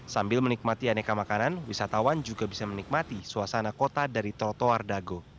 sambil menikmati aneka makanan wisatawan juga bisa menikmati suasana kota dari trotoar dago